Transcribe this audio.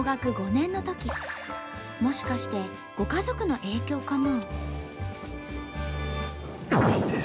もしかしてご家族の影響かな？